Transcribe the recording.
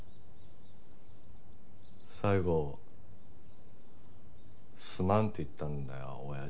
最後「すまん」って言ったんだよおやじ。